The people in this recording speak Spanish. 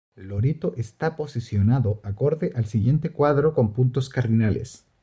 Loreto está posicionado acorde al siguiente cuadro con puntos cardinales.